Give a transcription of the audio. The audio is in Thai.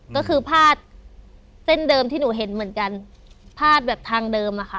ก็คือพาดเส้นเดิมที่หนูเห็นเหมือนกันพาดแบบทางเดิมอะค่ะ